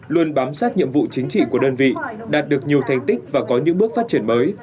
luôn bám sát nhiệm vụ chính trị của đơn vị đạt được nhiều thành tích và có những bước phát triển mới